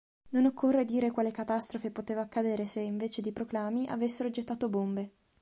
Non occorre dire quale catastrofe poteva accadere se, invece di proclami, avessero gettato bombe.